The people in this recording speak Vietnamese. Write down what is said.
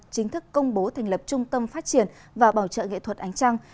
chính thức công bố thành lập trung tâm phát triển và bảo trợ nghệ thuật ánh trăng